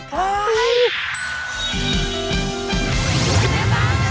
เฮ้ย